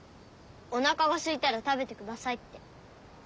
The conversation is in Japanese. おなかがすいたら食べてくださいって。